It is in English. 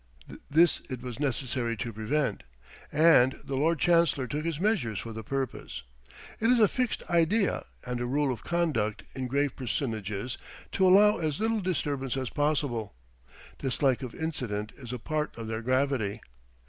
This it was necessary to prevent; and the Lord Chancellor took his measures for the purpose. It is a fixed idea, and a rule of conduct in grave personages, to allow as little disturbance as possible. Dislike of incident is a part of their gravity.